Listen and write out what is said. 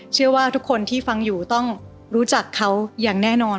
เชื่อว่าทุกคนที่ฟังอยู่ต้องรู้จักเขาอย่างแน่นอน